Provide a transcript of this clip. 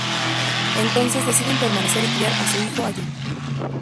Entonces deciden permanecer y criar a su hijo allí.